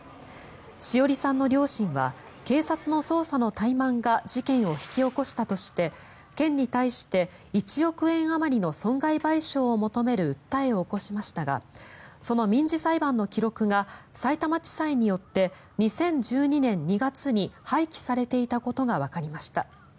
詩織さんの両親は警察の捜査の怠慢が事件を引き起こしたとして県に対して１億円あまりの損害賠償を求める訴えを起こしましたがその民事裁判の記録がさいたま地裁によって２０１２年２月に廃棄されていたことがわかりました。